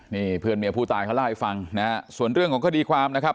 นี่เพื่อนเมียผู้ตายเขาเล่าให้ฟังนะฮะส่วนเรื่องของคดีความนะครับ